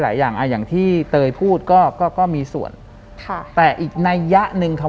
หลังจากนั้นเราไม่ได้คุยกันนะคะเดินเข้าบ้านอืม